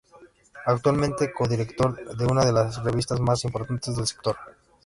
Actualmente co-director de una de las revistas más importantes del sector.